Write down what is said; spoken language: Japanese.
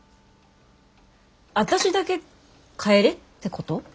私だけ帰れってこと？